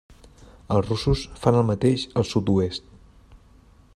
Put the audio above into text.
Els russos fan el mateix al sud-oest.